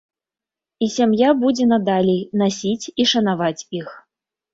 І сям'я будзе надалей насіць і шанаваць іх.